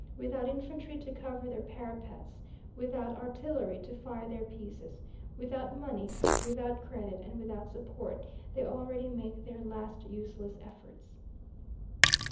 Without infantry to cover their parapets, without artillery to fire their pieces, without money, without credit, and without support, they already make their last useless efforts.